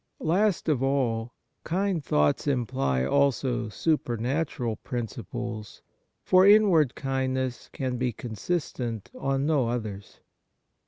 Last of all, kind thoughts imply also supernatural principles, for in ward kindness can be consistent on no others.